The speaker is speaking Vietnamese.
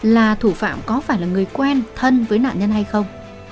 là thủ phạm có phải là người quen thân với nạn nhân hay không